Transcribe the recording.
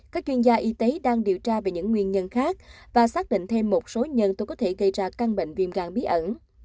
các chuyên gia y tế đang điều tra về những nguyên nhân khác và xác định thêm một số nhân tố có thể gây ra căn bệnh viêm gan bí ẩn